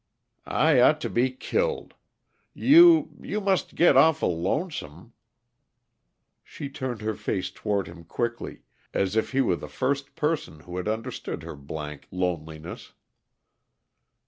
"I ought to be killed! You you must get awful lonesome " She turned her face toward him quickly, as if he were the first person who had understood her blank loneliness.